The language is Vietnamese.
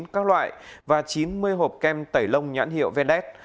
các loại và chín mươi hộp kem tẩy lông nhãn hiệu vdes